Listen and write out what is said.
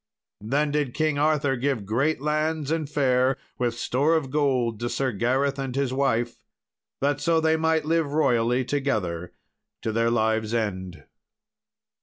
Then did King Arthur give great lands and fair, with store of gold, to Sir Gareth and his wife, that so they might live royally together to their lives' end.